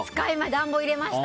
暖房入れました。